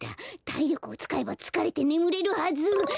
たいりょくをつかえばつかれてねむれるはず！